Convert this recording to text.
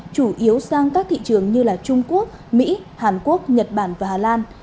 chủ yếu sang các thị trường như trung quốc mỹ hàn quốc nhật bản và hà lan